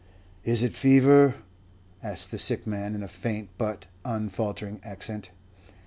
"Is it fever?" asked the sick man, in a faint but unfaltering accent.